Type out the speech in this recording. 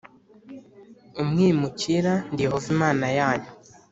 umwimukira ndi yehova imana yanyu